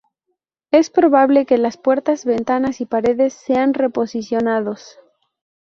Es probable que las puertas, ventanas y paredes sean re-posicionados.